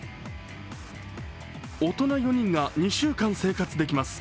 大人４人が２週間生活できます。